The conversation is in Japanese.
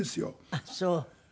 あっそう。